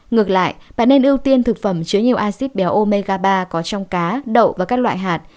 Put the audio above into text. ngược lại bạn nên ưu tiên thực phẩm chứa nhiều acid béo mega ba có trong cá đậu và các loại hạt